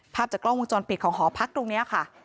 ภาพจากกล้องวงจรปิดของหอพักตรงนี้ค่ะ